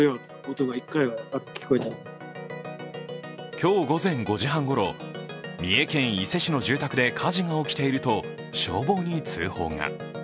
今日午前５時半ごろ、三重県伊勢市の住宅で火事が起きていると消防に通報が。